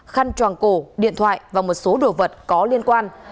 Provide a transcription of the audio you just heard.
khăn tròng cổ điện thoại và một số đồ vật có liên quan